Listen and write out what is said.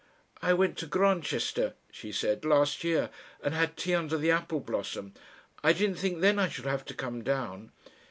"I went to Grantchester," she said, "last year, and had tea under the apple blossom. I didn't think then I should have to come down."